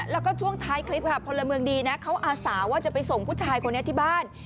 แล้วก็ช่วงท้ายคลิปค่ะพลเมืองดีนะเขาอาสาว่าจะไปส่งผู้ชายคนนี้ที่บ้าน